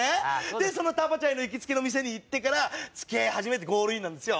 でタパチャイの行きつけの店に行ってから付き合い始めてゴールインなんですよ。